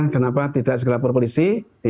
kenapa tidak seperti laporan polisi